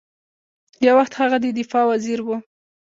یو وخت هغه د دفاع وزیر ؤ